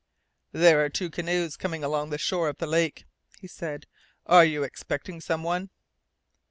"There are two canoes coming along the shore of the lake," he said. "Are you expecting some one?"